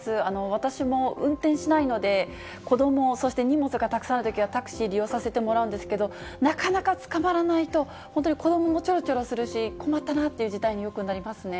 私も運転しないので、子ども、そして荷物がたくさんあるときはタクシー利用させてもらうんですけど、なかなかつかまらないと、本当に子どももちょろちょろするし、困ったなという事態によくなりますね。